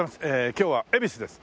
今日は恵比寿です。